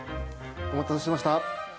お待たせしました。